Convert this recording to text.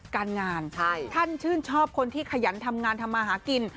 การงานท่านชื่นชอบคนที่ขยันทำงานทำมาหากิน